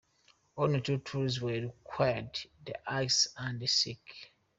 Only two tools were required, the axe and the sickle.